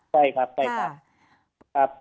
ใช่ครับใช่ครับ